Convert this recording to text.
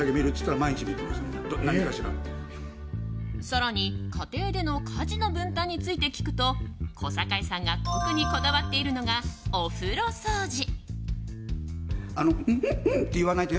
更に、家庭での家事の分担について聞くと小堺さんが、特にこだわっているのがお風呂掃除。